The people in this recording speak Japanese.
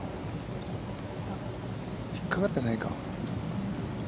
ひっかかってないか？